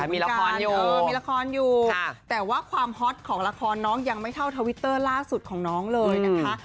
มีการมีละครอยู่แต่ว่าความฮอตของละครน้องยังไม่เท่าทวิตเตอร์ล่าสุดของน้องเลยนะคะ